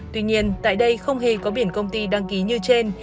tuy nhiên tại đây không hề có biển công ty đăng ký như trên